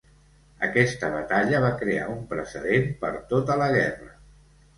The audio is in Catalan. Aquesta batalla va crear un precedent per tota la guerra.